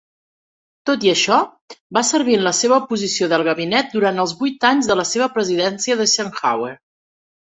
Tot i això, va servir en la seva posició del gabinet durant els vuit anys de la presidència d'Eisenhower.